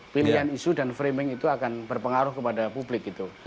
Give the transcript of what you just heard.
pilihan isu dan framing itu akan berpengaruh kepada publik gitu